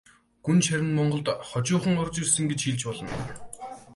Гүнж харин монголд хожуухан орж ирсэн гэж хэлж болно.